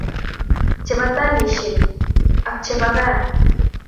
Chebo tanisiek ak chebo gaa